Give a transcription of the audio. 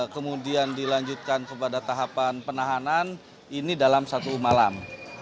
kemudian dilanjutkan kepada tahapan penahanan ini dalam satu malam